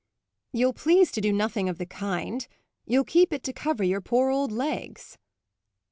"You'll please to do nothing of the kind. You'll keep it to cover your poor old legs."